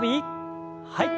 はい。